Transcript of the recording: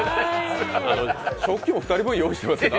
食器も２人分用意してますけど？